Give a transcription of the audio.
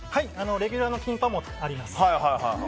レギュラーのキンパもあります。